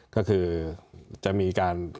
ก็คือจะมีการ